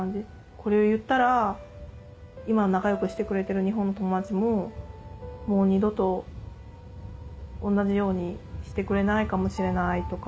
これを言ったら今仲良くしてくれてる日本の友達ももう二度と同じようにしてくれないかもしれないとか。